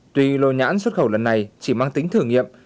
tuy lô nhãn xuất khẩu lần này chỉ mang tính thử nghiệm